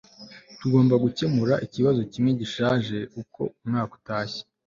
tugomba gukemura ikibazo kimwe gishaje uko umwaka utashye